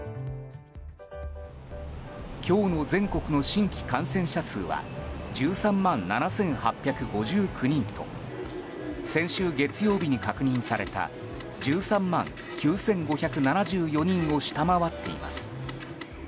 今日の全国の新規感染者数は１３万７８５９人と先週、月曜に確認された１３万９５７４人を下回っています。